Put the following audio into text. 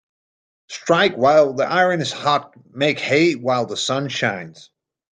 Strike while the iron is hot Make hay while the sun shines